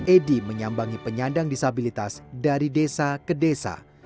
edi menyambangi penyandang disabilitas dari desa ke desa